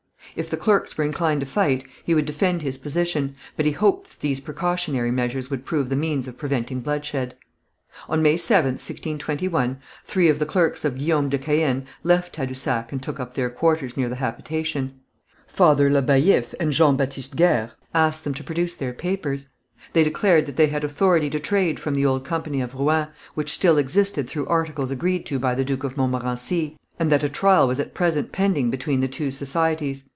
If the clerks were inclined to fight he would defend his position, but he hoped that these precautionary measures would prove the means of preventing bloodshed. On May 7th, 1621, three of the clerks of Guillaume de Caën left Tadousac and took up their quarters near the habitation. Father Le Baillif and Jean Baptiste Guers asked them to produce their papers. They declared that they had authority to trade from the old Company of Rouen, which still existed through articles agreed to by the Duke of Montmorency, and that a trial was at present pending between the two societies.